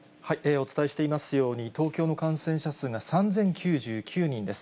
お伝えしていますように、東京の感染者数が３０９９人です。